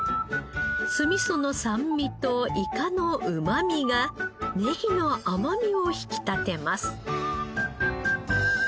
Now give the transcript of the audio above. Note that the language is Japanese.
酢みその酸味とイカのうまみがネギの甘みを引き立てます。